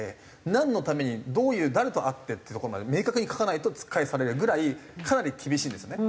なんのためにどういう誰と会ってっていうとこまで明確に書かないと突き返されるぐらいかなり厳しいんですよね。